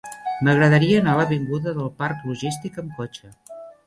M'agradaria anar a l'avinguda del Parc Logístic amb cotxe.